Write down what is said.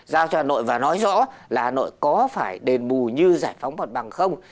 giao cho hà nội và nói rõ là hà nội có phải đền bù như giải phóng mặt bằng không